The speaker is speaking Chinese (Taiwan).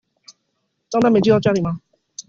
帳單沒寄到家裡嗎？